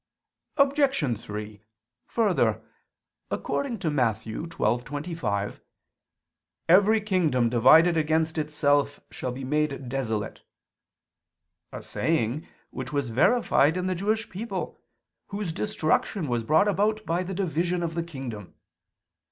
Obj. 3: Further, according to Matt. 12:25: "Every kingdom divided against itself shall be made desolate": a saying which was verified in the Jewish people, whose destruction was brought about by the division of the kingdom.